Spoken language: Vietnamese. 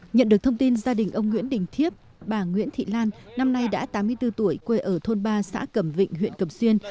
nhận được thông tin gia đình ông nguyễn đình thiếp bà nguyễn thị lan năm nay đã tám mươi bốn tuổi quê ở thôn ba xã cầm vịnh huyện cầm xuyên